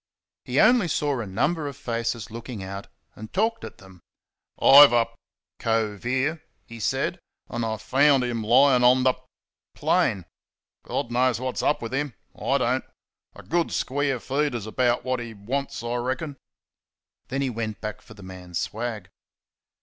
He only saw a number of faces looking out, and talked at them. "I've a cove here," he said, "that I found lying on the plain. Gawd knows what's up with him I don't. A good square feed is about what he wants, I reckon." Then he went back for the man's swag.